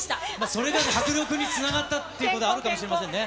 それでも迫力につながったっていうことはあるかもしれませんね。